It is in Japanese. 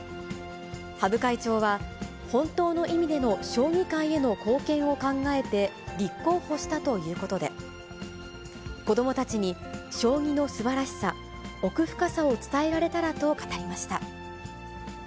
羽生会長は、本当の意味での将棋界への貢献を考えて、立候補したということで、子どもたちに将棋のすばらしさ、奥深さを伝えられたらと語りました。